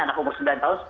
anak umur sembilan tahun